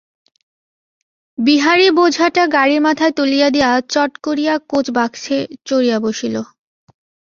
বিহারী বোঝাটা গাড়ির মাথায় তুলিয়া দিয়া চট করিয়া কোচবাক্সে চড়িয়া বসিল।